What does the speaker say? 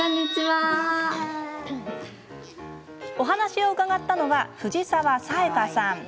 お話を伺ったのは藤澤さえかさん。